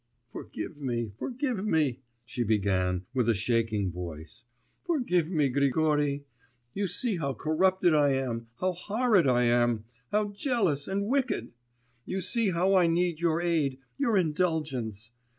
'Forgive me, forgive me,' she began, with a shaking voice, 'forgive me, Grigory! You see how corrupted I am, how horrid I am, how jealous and wicked! You see how I need your aid, your indulgence!